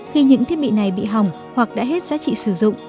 khi những thiết bị này bị hỏng hoặc đã hết giá trị sử dụng